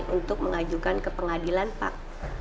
untuk mengajukan ke pengadilan pak